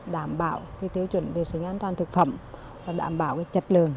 đảm bảo cái tiêu chuẩn vệ sinh an toàn thực phẩm và đảm bảo cái chất lường